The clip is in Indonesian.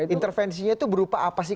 intervensinya itu berupa apa sih